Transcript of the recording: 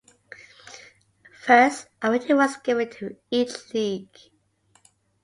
First, a rating was given to each league.